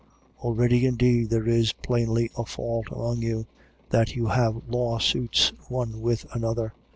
6:7. Already indeed there is plainly a fault among you, that you have law suits one with another.